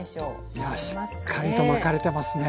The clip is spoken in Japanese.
いやしっかりと巻かれてますね。